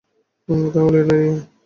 তাহলে এটা ন্যায়!